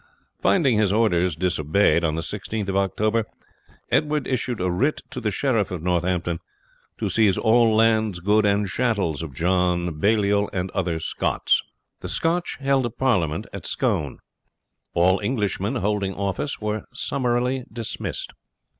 Finding his orders disobeyed, on the 16th of October Edward issued a writ to the sheriff of Northampton, "to seize all lands, goods, and chattels of John Baliol and other Scots." The Scotch held a parliament at Scone. All Englishmen holding office were summarily dismissed.